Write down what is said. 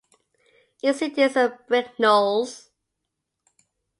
Its seat is in Brignoles.